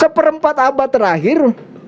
selama satu empat abad terakhir